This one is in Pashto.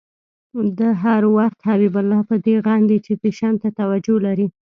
ده هر وخت حبیب الله په دې غندی چې فېشن ته توجه لري.